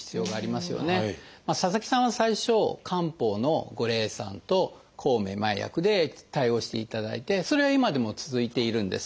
佐々木さんは最初漢方の五苓散と抗めまい薬で対応していただいてそれは今でも続いているんです。